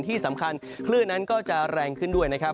ที่สำคัญคลื่นนั้นก็จะแรงขึ้นด้วยนะครับ